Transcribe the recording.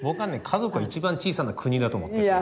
家族が一番小さな国だと思ってる。